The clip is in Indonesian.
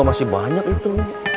masih banyak itu